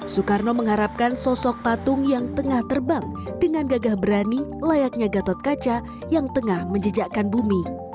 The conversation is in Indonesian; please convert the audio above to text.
soekarno mengharapkan sosok patung yang tengah terbang dengan gagah berani layaknya gatot kaca yang tengah menjejakkan bumi